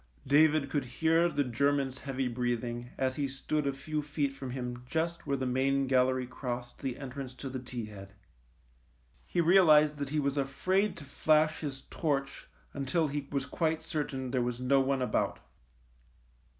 David could hear the German's heavy breathing, as he stood 102 THE MINE a few feet from him just where the main gal lery crossed the entrance to the T head. He realised that he was afraid to flash his torch until he was quite certain there was no one about.